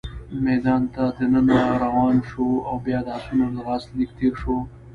میدان ته دننه روان شوو، او بیا د اسونو له ځغاست لیکې تېر شوو.